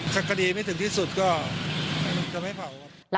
สักคดีไม่ถึงที่สุดก็ทำให้เผาครับ